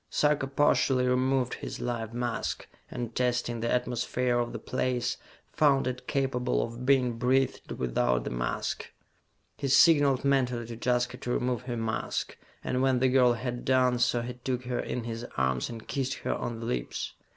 Sarka partially removed his life mask, and testing the atmosphere of the place, found it capable of being breathed without the mask. He signalled mentally to Jaska to remove her mask, and when the girl had done so he took her in his arms and kissed her on the lips.